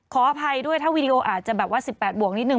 ขออภัยด้วยถ้าวีดีโออาจจะแบบว่า๑๘บวกนิดนึ